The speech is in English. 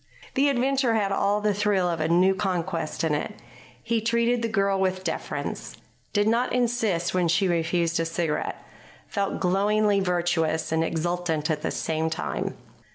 The adventure had all the thrill of a new conquest in it. He treated the girl with deference, did not insist when she refused a cigarette, felt glowingly virtuous and exultant at the same time.